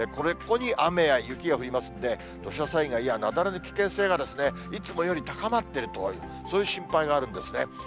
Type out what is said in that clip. ここに雨や雪が降りますんで、土砂災害や雪崩の危険性がいつもより高まっていると、そういう心配があるんですね。